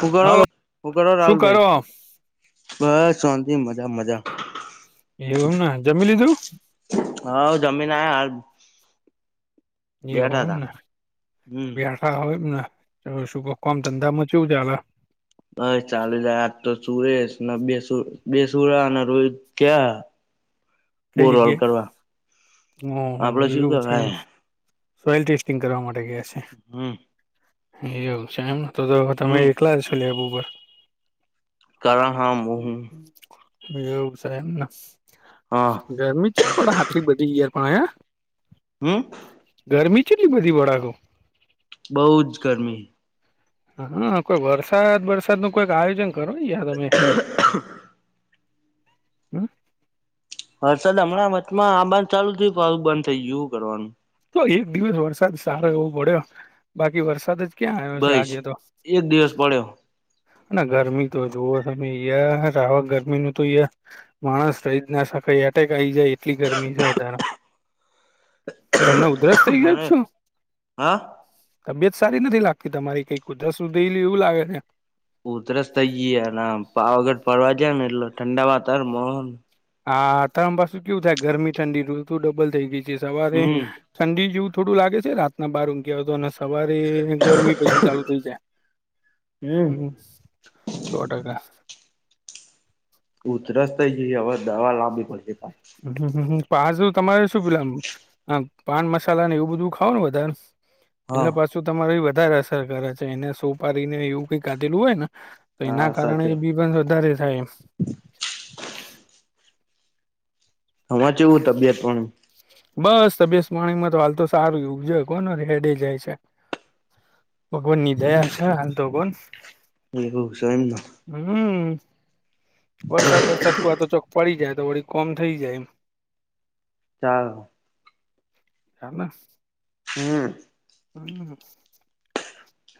હું કરો, હાલો હું કરો શું રાહુલ ભાઈ? કરો બસ શોંતી મજા મજા એવુંમ ના જમી લીધું? હાવ, જમીને આયા હાલ. ગીયો બેઠા હોયમ તા ને? હમ બેહઠા હોય એમ ને? એવો શું કં ધંધામાં ચેવું ચાલે? બસ ચાલી લયા, આજ તો ચૂએસ ને બેસ બે સુરા ના અને રોલ ક્યાં? બો કઈ રોલ કરવા જગ્યાએ આપડે હ હ શું એવું છે એમ કેવાય? સોઈલ ટેસ્ટિંગ કરવા માટે ગયા છે. હમ્મ એવુ છે એમ, તો તમે હમ એકલા જ હશો લેબ ઉપર કારણ હા હું એવું છે, એમ ને. હા ગરમી ચેમ પડે આાટલી બધી યાર પણ હે? હમ્મ ગરમી ચેટલી બધી વાળાગો. બહુ જ ગરમી. હા, કોઈ વરસાદ બરસાદ નું કોઈક આયોજન કરો ને યાર તમે. હમ્મ વરસાદ હમણાં વચમાં આંવાનું ચાલુ થયું પણ હવે બંધ થઈ હું કરવાનું તો એક દિવસ વરસાદ સારો એવો પડ્યો. બાકી વરસાદ જ ક્યાં આવ્યો છે? બસ આજે તો. એક દિવસ પડ્યો ના ગરમી તો જુઓ તમે યાર રાહક ગરમી નું તો યાર માણસ રહી જ ના શકાય એટેક આયી જાય એટલી ગરમી છે. તા તમને ઉધરસ થઇ ગય મને છું? હા તબિયત સારી નથી લાગતી તમારી. કંઈક ઉદરસ થયેલી એવું લાગે ને. ઉધરસ થઈ ગીયા, ના પાવાગઢ ફરવા ગ્યા ને એટલે ઠંડા વાતાવરણ મો હા, તેમ પાછુ કેવું થાય, ગરમી ઠંડી ઋતુ ડબલ થઈ ગઈ છે, સવારે. હમ ઠંડી જેવું થોડું લાગે છે. રાતના બાર વાગ્યા પછી. સવારે ને ગરમી પછી ચાલુ થઇ જાય, હમ હમ્મ સો ટકા ઉધરસ થઈ ગઈ. હવે દવા લાવવી પડશે પાછી. હમ્મ-હમ્મ-હમ્મ. પાસું તમારે શું [unintelligible] આ પાન મસાલા ને એવું બધું ખાવ ને વધાર એટલે હા પાસું તમારી ઈ વધારે અસર કરે છે. એને સોપારીને એ એવું કંઈ કાઢેલું હોય ને તો હા એના સાચી કારણે બી વાત બંધ વધારે થાય એમ. તમાર ચેવું તબિયત પાણી? બસ તબિયત પાણીમાં હાલ તો સારું. [unintelligible] કોણ હૈડે જાય છે. ભગવાનની દયા છે આમ તો કોન. એવું છે એમને. હમ્મ. વરસાદ બરસાદ [unintelligible] ચોક પડી જાય, તો વળી કોમ થઇ જાય એમ. સારું. [unintelligible] હમ્મ. હમ્મ.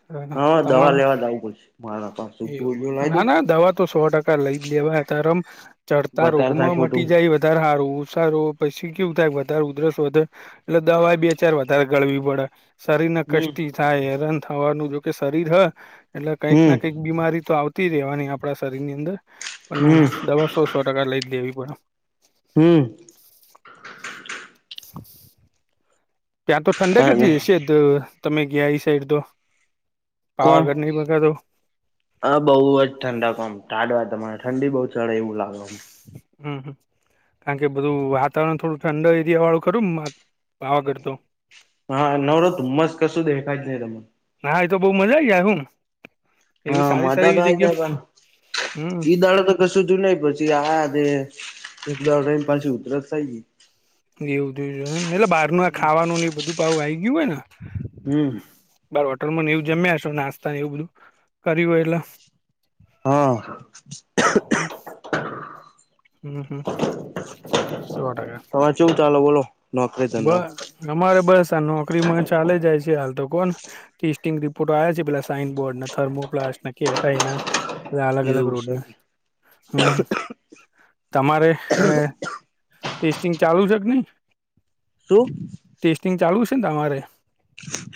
[unintelligible] હા તમારે [unintelligible] એવું ગોળીઓ એમ. લાવી દઉં ના-ના દવા તો સો ટકા લઈ જ લેવાઈ. અતાર આમ ચડતા વધારે થાય રોગમાં ખોટું મટી જાય [unintelligible] ધાર હારું સારું. પછી કેવું થાય કે વધાર ઉધરસ વધે એટલે દવા એઈ બે-ચાર વધાર ગળવી પડે. શરીર ને હમ કષ્ટી થાય, હેરાન થવાનું. જોકે શરીર હે એટલે કંઈક હમ ન બીમારી તો આવતી રહેવાની આપણા શરીરની અંદર. પણ હમ ના-ના દવા સો ટકા લઈ જ લેવી પડે. હમ્મ. ત્યાં તો ઠંડક જ હા હશે તો, તમે ગિયા ઈ સાઈડ તો. કોણ? પાવાગઢ નહી બગાતો અહ બોવજ ઠંડક આમ, ટાઢ વાય તમારે, ઠંડી બઉ ચડે, એવું લાગવા [unintelligible] હમ્મ-હમ્મ. કારણ કે બધું વાતાવરણ થોડું ઠંડુ એરિયાવાળું ખરુંન, માત પાવાગઢ તો. હા. નવરો ધુમ્મસ, કશું દેખાય જ નહીં તમને. હા ઈ તો બઉ મજા આઈ જાય હું. એવી હા. સારી સારી મજા તો એવી આઈ જગ્યા જાય, પણ હમ ઈ દહાડે તો [unintelligible] સુધું નહીં. પછી આ દે એક દાડો રઇન પાછી ઉધરસ થય ગઈ. એવું થયું છે એમ! એટલે બહારનું આ ખાવાનું ને એ બધું પાહુ આઈ ગયું હોય ને. હમ્મ. બહાર હોટલમાંન એવું જમ્યા હશો નાસ્તા ને એવું બધું. કર્યું હોય એટલે હા. હમ્મ-હમ્મ. સો ટકા. ચેવું ચાલે બોલો? નોકરી બસ. ધંધામાં અમારે બસ આ નોકરીમાં ચાલે જાય છે હાલ તો કહો ને. ટેસ્ટિંગ રિપોર્ટો આયા છે, પહેલા સાઈનબોર્ડના, થર્મોપ્લાસ્ટના [unintelligible] બધા અલગ-અલગ એવું છે એમ. રોડના, હમ્મ. તમારે હે ટેસ્ટિંગ ચાલુ છે કે નહીં? શું? ટેસ્ટિંગ ચાલુ સેન તમારે?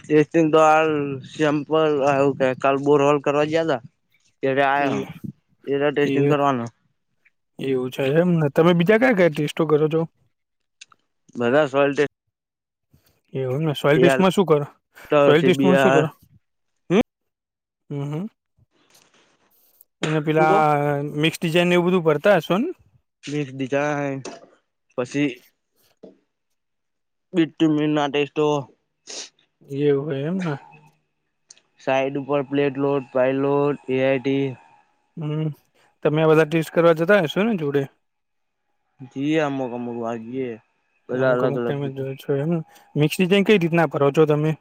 ટેસ્ટિંગ તો હાલ સેમ્પલ આવું કે કાલ બોરવાલ કરવા જ્યાં તા, ત્યારે એ આયો તે દાડે એ ટેસ્ટિંગ કરવાનો, એવું છે એમન તમે બીજા કયા-કયા ટેસ્ટો કરો છો? બધા સોલ્ટ એવું ને સોલટેસ્ટમાં શું કરો? સોયલટેસ્ટમાં શું સીબીઆર કરો? હમ અ હમ અને શું કો પેલા મિક તીજ [unintelligible] ને એવું બધું ભરતા હશોન, મેક ડિઝાઇન પસી [unintelligible] મીનના ટેસ્ટો, એવું હોય એમન, સાઈડ ઉપર પ્લેટલોટ, પાયલોટ, એઆઈટી, હમ તમે આ બધા ટેસ્ટ કરવા જતા હશો ને જોડે? જીએ અમુક-અમુક વાર જીએ બધા અમુક અમુક અલગ-અલગ ટાઈમે [unintelligible] જો મિક્સ ડિઝાઇન કઈ રીતના કરો છો તમે?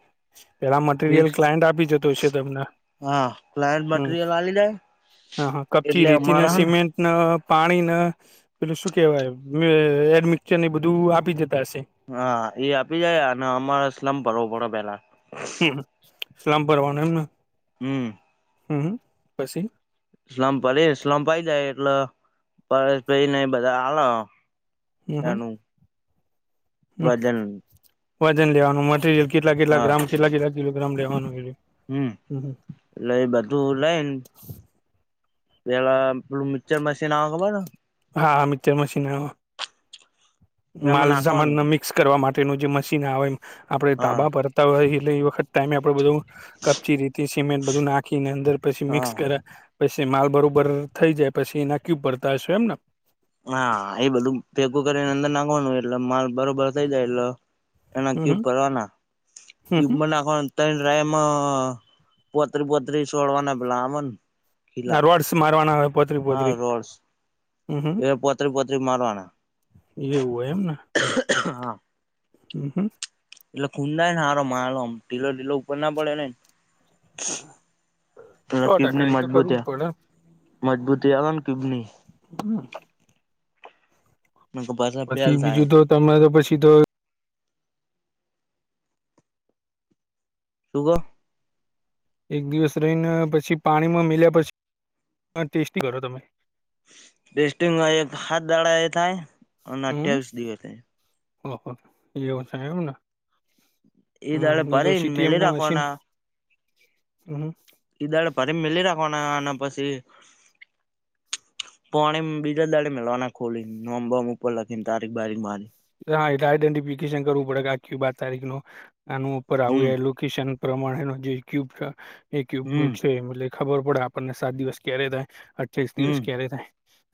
પેલા મટીરિયલ ફિક્સ ક્લાયન્ટ આપી જતો હસે તમન હા ક્લાયન્ટ હમ, મટીરિયલ આલી જાય હા હા કપચી, એટલે રેતી ને અમારા હ સિમેન્ટ ન પાણીન પેલું શું કેવાય એડમિકચરને એ બધુ ધું આપી જતા હશે. હા એ આપી જાય અન અમાર સ્લમ ભરવો પડ પેલા. હમ સ્લમ ભરવાનો એમન, હમ, હમ્મ, પછી? સ્લમ પડી સ્લમઈ જાય એટલે પ પને બધા આલ... એનું... હમ્મ વજન વજન લેવાનું મટીરિયલ... કેટલા કેટલા હા ગ્રામ કેટલા કેટલા કિલો ગ્રામ લેવાનું હમ હ... એટલે એ બધું લઈને પેલા પેલું મિક્ચર મશીન આવે ખબર. હા, હા મિક્ચર મશીન આવમાં... એમાં માલસામાન નાખવાનું ના મિક્સ કરવા માટેનું જે મશીન આવે આપડે હા તાબા ભર... તા હોય એલ એ વખત ટાઈમે આપણે બધું... કપચી, રેતી, સિમેન્ટ બધું નાખીને અંદર પછી મિક્સ હા કરા... પછી માલ બરોબર થઈ જાય પછી એ ના ક્યુ ભડતા હશે એમન, હા, એ બધું ભેગું કરીને અંદર નાખવાનું હોય એટલે માલ બરોબર થઇ જાય એટલે... એના હમ ક્યુબ હમ ભરવાના હમ હમ ક્યુબમાંનાખવા... ત્રળ રાયમ પોતરી પોતરી છોડવાના પેલા આવે ને? અરવાડસ મારવાના... પોતરી હા, પોતરી રોડસ... હમ હમ એ પોતરી પોતરી મારવાના, એવું હોય એમને હા. [inaudible] એટલે ખુંડાાય ને સારો માલો આમ ઢીલો ઢીલો ઉપર ના પડે ને? એ સો ટકા ક્યુબની એક તો કરવું જ મજબૂતી પડે મજબૂતી આવ ન ક્યુબની... હમ્મ. પાછા ફેલ પછી થાય બીજું તો તમારે પછી તો... [unintelligible] એક દિવસ રહીને પછી પાણીમાં મીલ્યા પછી, ટેસ્ટી કરો તમે... ટેસ્ટિંગ આ એક હાત દાડા એ થાય. અને હમ [unintelligible] દિ એ થાય. ઓહો! એવું સે એમને! દાડે હમ્મહ એ તો ભરીને સી ટી એમ મેલી ના મશીન, રાખવાના હમ્મ. ઈ દાડે પરી મિલી રાખવાના અને પછી પોણીમ બીજા દાડે મેલવાના ખોલીન, [unintelligible] બોમ ઉપર લખીન, તારીખ બારીક મારીન. [unintelligible] આઈડેન્ટિફિકેશન કરવું પડે કે આખી બાર તારીખ નું. આનું ઉપર આવ હમ રહેલું [unintelligible] પ્રમાણે નો જે ક્યુબ એ ક્યુબ હમ [unintelligible] ખબર પડે આપણને, સાત દિવસ ક્યારે થાય. [unintelligible] ત્રીસ દિવસ હમ ક્યારે થાય.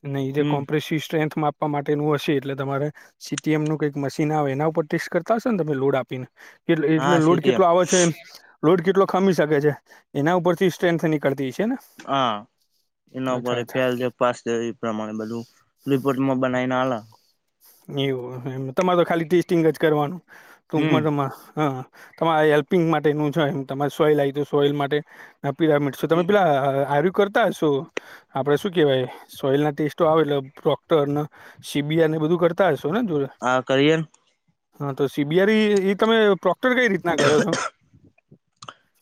અને ઈ જે હમ કોમ્પ્રેસિવ સ્ટ્રેન્થ મા આપવા માટેનું હશે એટલે તમારે સી ટી એમ નું કંઈક મશીન આવે એના ઉપર ટેસ્ટ કરતા હશો ને તમે લોડ આપીને? કેટલે એટલે હા લોડ સીટીએમ કેટલો આવો છે એમ? લોડ કેટલો ખમી શકે છે. એના ઉપરથી સ્ટ્રેન્થ એ નીકળતી છે ને? હા. એના ઉપર અચ્છા અચ્છા [unintelligible] પાસ દે ઈ પ્રમાણે બધું, રિપોર્ટમાં બનાઈને આલા. એવું [unintelligible] તમારે તો ખાલી ટેસ્ટિંગ જ કરવાનું. [unintelligible] હમ હા, હા. તમારે હેલ્પિંગ માટેનું છે એમ, તમારે સોઈ લાઈ દયો, તો સોઈલ માટે [unintelligible] તમે પહેલા આર્યું કરતા હશો? આપણે શું કહેવાય? સોઈલ ના ટેસ્ટો આવે એટલે ડોક્ટરન સી બી આરને ઈ બધું કરત તા હશોને જોડે? હા, કરીએન. હા. તો સી બી આર ઈ-ઈ તમે પ્રોક્ટર કંઈ રીતના કરો છો?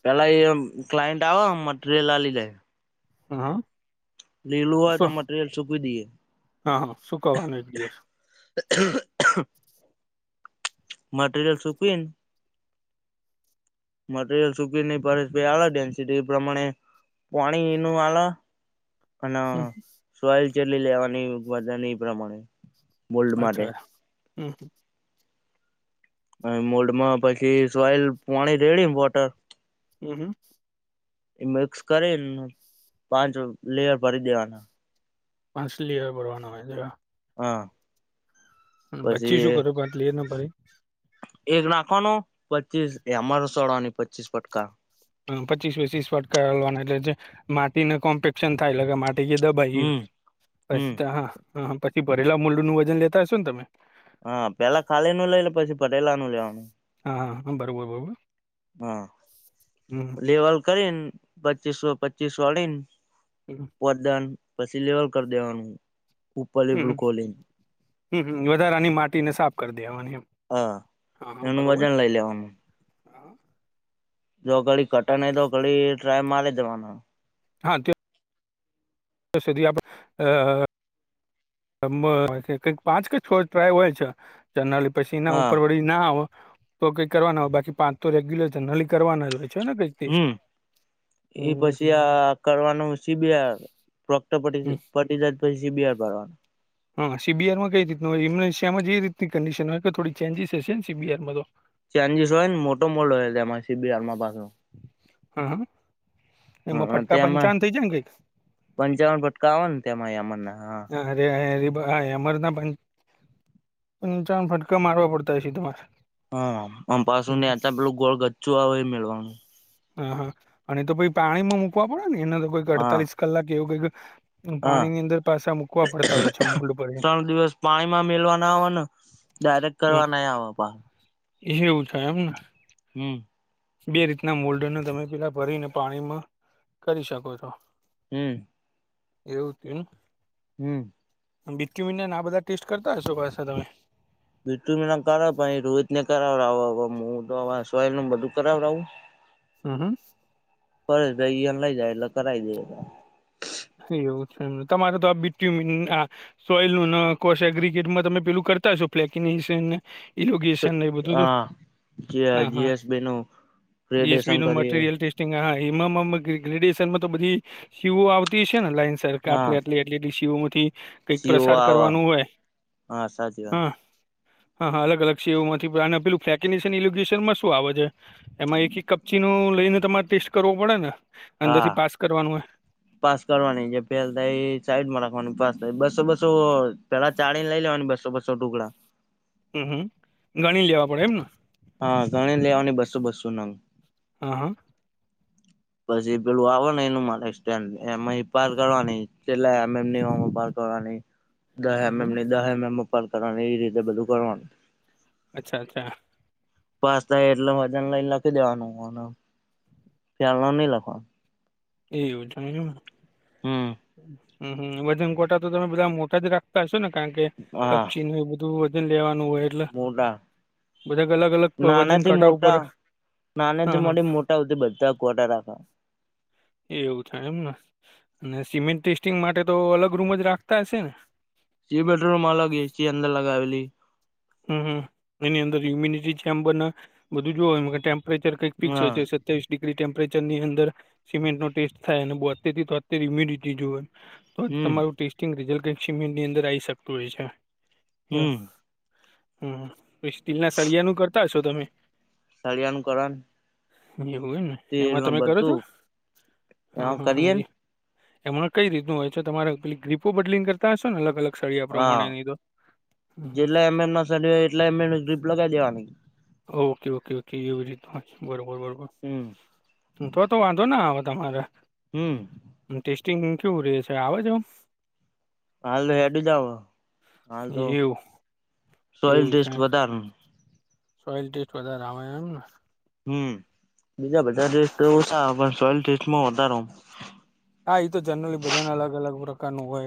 પહેલા એમ ક્લાયન્ટ આવે, મટીરિયલ આલી જાય. હા. લીલું હોય તો શું મટીરિયલ સુકવી દઈએ. હા હા સુકવવાનો એક દિવસ મટિરીયલ સૂકવીન મટીરિયલ સૂકવી ને [unintelligible] ડેન્સિટી પ્રમાણે પાણીનું આલા. અને હમ સોઈ જેટલી લેવાની, વજન ઈ પ્રમાણે. મોલ્ડ માટે અચ્છા હે. હમ્મ. હવે મોલ્ડમાં પછી સોઈલ પાણી રેડીન વોટર હમ્મ-હમ્મ. ઈ મિક્સ કરીન પાંચ લેયર ભરી દેવાના. પાંચ લિયર ભરવાના હોય [unintelligible] હા. હમ્મ. પછી શું કરો પાંચ લેયરના ભરે? એક નાખવાનો, પચીસ એ અમારો સળવાની પચીસ ફટકાર. હમ્મ. પચીસ વચીસ ફટકા [unintelligible] જે-જે માટીને કોમ્પેક્શન થાય એટલે કે માટ [unintelligible] દબાઈ ઈ. હમ હમ પસી તો હા, હા. પછી ભરેલા મુલ્ડનું વજન લેતા હશો ને તમે? હા. પહેલા ખાલી નું લઈ ને પછી ભરેલાનું લેવાનું હા, હા, હા. બરોબર-બરોબર. હા. લેવલ કરીન પચીસો-પચીસો અડીન [unintelligible] [unintelligible] પછી લેવલ કર દેવાનું. ઉપરલી બ્રુકોલીન. હમ્મ-હમ્મ. વધારાની માટીને સાફ કર દેવાની હોય એમ. હા અહં [unintelligible] એનું વજન લઈ લેવાનું, જો ઘડીક કટન હોય તો ઘડી ટ્રાય મારી દેવાનો. હા તે, સુધી આપડે, પાંચ કે છો હોયલ છે, જનરલ પસીના હા ઉપરવાડી. ના હોતો કંઈક કરવાના હો બાકી પાંચ તો રેગ્યુલર જનરલી કરવાના જ હોય છે, ને કંઈક હું એ પછી આ કરવાનું શીબિ પ્રોકટ પડી છે, બની જાય પછી [unintelligible] બહાર પાડવાનું, હા સીબીઆરમાં કઈ રીત નુ હોય એમ્યુનેશિયામાં જે એ રીતની કનડિશન હોય થોડી ચેન્જીસ હશે ને સીબીઆરમાં તો, ચેન્જીસ હોય ને મોટો મોડ હોય એમાં સીબીઆરમાં પાસો, હા, હા. એમાં હા ફટકા તેમાં પંચાવન થઈ જાય ને કંઈક પંચાવન ફટકા આવે ને તેમાં અમના હા, અરે અરે અમરના પંદ પચાવન ફટકા મારવા પડતા હશે તમારે, હા આમ પાછું હમ. નેઅ પેલું ગોળ ગચ્ચું આવે એ મેળવાનું, હા, હા અને તો પી પાણીમાં મુકવા પડે ને એને તો કંઈક હા અડતાલીસ કલાક એવું કંઈ, હા, છે મોલ્ડ ભરીને ત્રણ દિવસ પાણીમાં મેલવાના આવવાનું, ડાયરેક્ટ કરવા નહી આવે પાહા, એ એવું થાય એમને, હું. બે રીતના મોલ્ડન તમે પેલા ભરીને પાણીમાં કરી શકો છો, હું. એવું હતું એમ. હું. બીટયુ મી આ બધા ટેસ્ટ કરતા હશો પાસા તમે, બીટ્ટુ મીન કરાવ રોહિત ને કરાવડાવ હુ તો હવે સોયલ નુ બધું કરાવડાવું, [inaudible] હું, હા. પર ભાઈ લઈ જાય એટલે કરાવી દે, એવું છે, તમારે તો હવે બીટ્ટુમીન આ, સોઇલ નું ને કોષ અગરીગેન્ટમાં તમે કરતા હશો [unintelligible] ઇનોગેશન એ બધું તો હા હા હા, જીએસબી નું ડિએસબી ગ્રેડેશન નુ કરીએ મટીરિયલટેસ્ટ એમા ન્હા હેમા મામા ગ્રેડિશનમાં તો બધી સીઓ આવતી સેને લાઈન, હા સરકાર એટલી એટલી ડીસીઓ મથી કઈક પ્રસાર કરવાનું હોય. હ સાચી વાત, હં હં અલગ અલગ સેવામાંથી ભરા અને પેલું ફેકિનેશન લોકેશન મા શું આવે છે. એમાં એક એક કપચી નું લઈને તમારે ટેસ્ટ કરવુ પળે ને અંદર હા થી પાસ કરવાનું, પાસ કરવાની જે ફેલ થાયઇ ચાઈડ માં રાખવાની પાસ, બસો બસો પેલા ચાળીન લઈ લેવાન બસો બસો ટુકડા હં હમ ગણી લેવા પડે એમને, હં ગણી લેવાની બસો બસો નંગ, હં હં, પછી પેલું આવ ને એનું માને સ્ટેન્ડ એમય પાર કરવની કેટલા એમએમની [unintelligible] [unintelligible] દહ હમ હમ. એમએમની, દહ એમએમ ની [unintelligible] એવી રીતે બધું કરવાનું. અચ્છા અચ્છા, પાસ થાય એટલે વજન નેઇ લખી લેવાનું હંહ ત્યાં અમાર ની લખવાનું. [unintelligible] હમ્મ હં હં વજન કોટા તો તમે બધા આમ મોટા જ રાખતા હશો ને કારણ કે કપચી ને એવુ બ ધુ વજન લેવાનું હોય મોડા બધા અલગ અલગ વજન કાટા ઉપર નાને હા થી હા મોંડીન મોટા હુઈ બધા કોટા રાખે એવું થાય એમને અને સિમેન ટેસ્ટિંગ માટે તો અલગ રૂમ જ રાખતા હશે ને જી બેડરૂમ અલગ એ સી અંદર લગાવેલી હં હ એની અંદર યુમિનિટી ચેમ્બર ને બધું જોવે [unintelligible] ટેમ્પ પ્રેચર કંઈક ફીક્સ હોય છે હા સત્યાવીસ ડિગ્રી ટેમ્પરેચરની અંદર સિમેન્ટનો ટેસ્ટ થાય અને બોતેરથી તોત્તેર હ્યુમિડિટી જોવે તોજ હમ તમારું ટેસ્ટિંગ રિઝલ્ટ [unintelligible] અંદર આઈ શકતું હોય છે હં હમ્મ સ્ટીલના સળિયાનું કરતા હસો તમે સળીયાનું કરવાનુ [unintelligible] હોય ને એમાં તમે કરો છો બધું હં એમાં હં હાં કરીએ એ ને એમાં કઈ રીતનું હોય છે તમારે પેલી ક્લીપો બડલીને કરતા હશોને અલગ અલગ શળિયા પ્રમાણે [unintelligible] [unintelligible] લગાઈ દેવાની ઓ કે ઓકે ઓ કે એવી રીતનુ [unintelligible] બરોબર બરોબર હમ્મ હ તો તો વાંધો ના આવે તમારે હમ્મ એન એન ટેસ્ટિંન્ગી કેવું રે છે આવે છે અવ હાલે હેડે જાવ હાલ તો એવું સોઈલ એવું છે ટેસ્ટ વધારે સોઇલ ટેસ્ટ વધારે આવે એમ ને હમ્મ બીજા બધા હમ. ટેસ્ટો ઓસા આવ પન સોઈલ ટેસ્ટમાં વધારે આવ હાં ઈ તો જનરલી બધાને અલગ અલગ પ્રકારનુ હોય